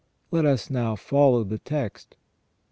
Let us now follow the text.